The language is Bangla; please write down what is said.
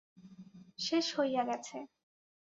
শেষ হইয়া গেছে।